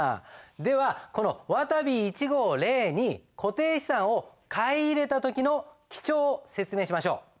ではこのわたび１号を例に固定資産を買い入れた時の記帳を説明しましょう。